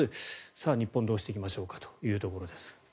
さあ、日本どうしていきましょうかというところです。